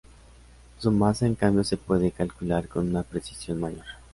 Su masa en cambio se puede calcular con una precisión mayor.